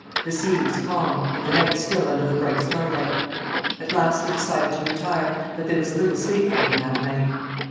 The sea was calm, and the night still under the bright starlight. At last they decided to retire, but there was little sleep for them that night.